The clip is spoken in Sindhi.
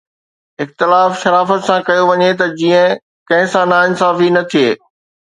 اختلاف شرافت سان ڪيو وڃي ته جيئن ڪنهن سان ناانصافي نه ٿئي.